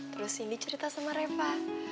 terus ini cerita sama reva